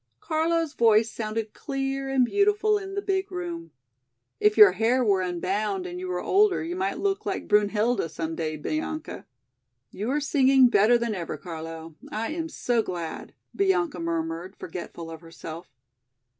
Carlo's voice sounded clear and beautiful in the big room. "If your hair were unbound and you were older you might look like Brunhilde some day, Bianca." "You are singing better than ever, Carlo, I am so glad!" Bianca murmured, forgetful of herself.